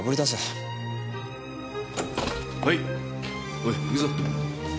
おい行くぞ。